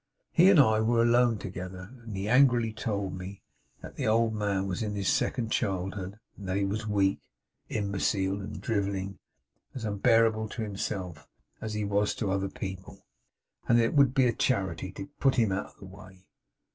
He and I were alone together; and he angrily told me, that the old man was in his second childhood; that he was weak, imbecile, and drivelling; as unbearable to himself as he was to other people; and that it would be a charity to put him out of the way.